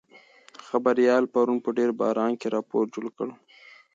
خبریال پرون په ډېر باران کې راپور جوړ کړ.